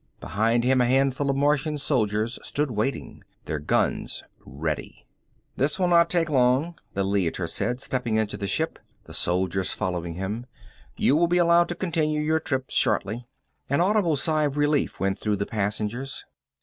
Behind him a handful of Martian soldiers stood waiting, their guns ready. "This will not take long," the Leiter said, stepping into the ship, the soldiers following him. "You will be allowed to continue your trip shortly." An audible sigh of relief went through the passengers.